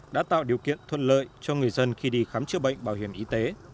đã tạo điều kiện thuận lợi cho người dân khi đi khám chữa bệnh bảo hiểm y tế